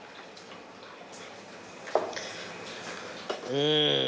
うん！